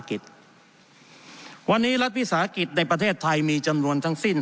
กิจวันนี้รัฐวิสาหกิจในประเทศไทยมีจำนวนทั้งสิ้น